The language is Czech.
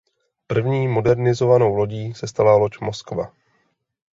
První modernizovanou lodí se stala loď "Moskva".